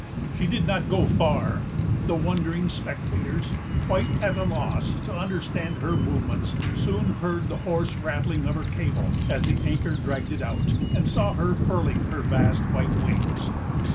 She did not go far. The wondering spectators, quite at a loss to understand her movements, soon heard the hoarse rattling of her cable, as the anchor dragged it out, and saw her furling her vast white wings.